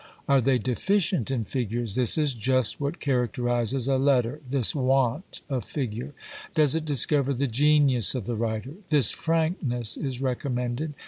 Are they deficient in figures? This is just what characterises a letter, this want of figure! Does it discover the genius of the writer? This frankness is recommended.